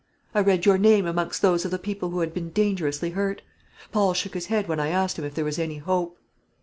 I read your name amongst those of the people who had been dangerously hurt. Paul shook his head when I asked him if there was any hope.